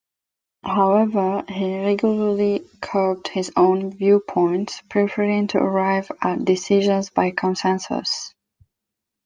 However, he regularly curbed his own viewpoints, preferring to arrive at decisions by consensus.